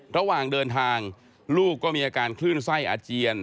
ระหว่างเดินทางลูกก็มีอาการคลื่นไส้อาเจียน